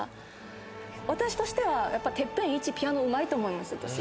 私としては『ＴＥＰＰＥＮ』いちピアノうまいと思います。